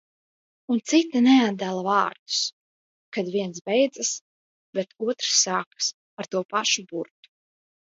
Un citi neatdala vārdus, kad viens beidzas, bet otrs sākas ar to pašu burtu.